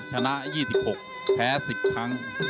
ชนะ๒๖แพ้๑๐ครั้ง